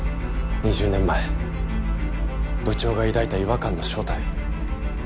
２０年前部長が抱いた違和感の正体。